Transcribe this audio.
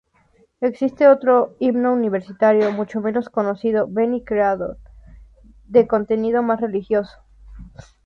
Existe otro himno universitario, mucho menos conocido, "Veni Creator", de contenido más religioso.